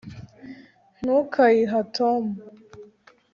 ntukayiha tom